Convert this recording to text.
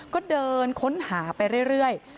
ก็เดินค้นหาไปเรื่อย